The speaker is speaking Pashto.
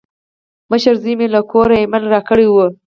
مشر زوی مې له کوره ایمیل راکړی و.